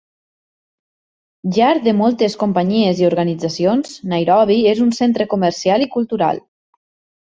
Llar de moltes companyies i organitzacions, Nairobi és un centre comercial i cultural.